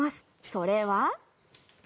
それは。